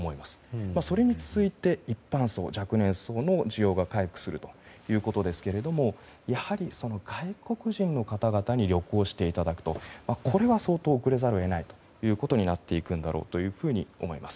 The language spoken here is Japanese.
それに続いて、一般層若年層も需要が回復するということですがやはり外国人の方々に旅行していただくこれは相当、遅れざるを得ないということになっていくだろうと思います。